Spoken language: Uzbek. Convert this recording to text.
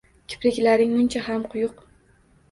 Kipriklaring muncha ham quyuq